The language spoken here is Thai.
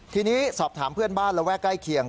ทีนี้สอบถามเพื่อนบ้านระแวกใกล้เคียง